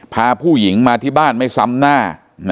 พาผู้หญิงมาที่บ้านไม่ซ้ำหน้า